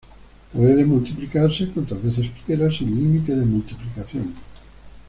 Puede multiplicarse cuantas veces quiera, sin límite de multiplicación.